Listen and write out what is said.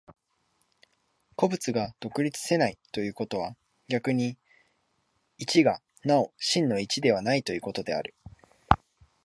個物が独立せないということは、逆に一がなお真の一でないということである。